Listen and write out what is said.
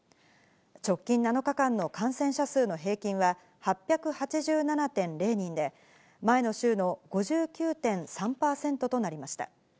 直近７日間の感染者数の平均は８８７．０人で、前の週の５９．３％となりました。